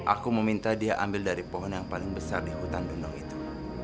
aku meminta dia ambil dari pohon yang paling besar di hutan gunung itu